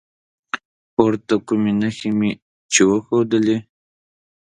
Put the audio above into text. پورته کومې نښې مې چې وښودلي